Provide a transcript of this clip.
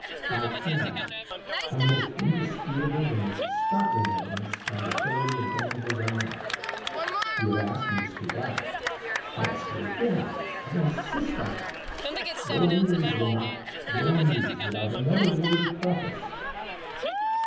"I can, on the most indisputable, the most startling evidence on the authority of Danville's own act. You have asked me to speak out " "I ask you again I insist on it! Your news, Lomaque your news, without another word of preface!"